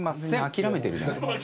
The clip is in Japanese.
諦めてるじゃないですか。